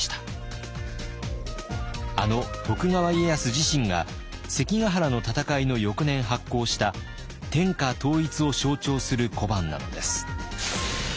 あの徳川家康自身が関ヶ原の戦いの翌年発行した天下統一を象徴する小判なのです。